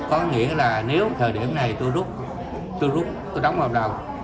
có nghĩa là nếu thời điểm này tôi rút tôi đóng hợp đồng